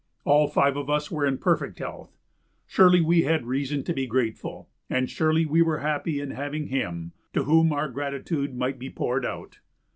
All five of us were in perfect health. Surely we had reason to be grateful; and surely we were happy in having Him to whom our gratitude might be poured out.